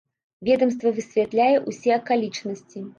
Ведамства высвятляе ўсе акалічнасці.